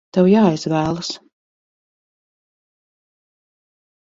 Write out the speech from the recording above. Tev jāizvēlas!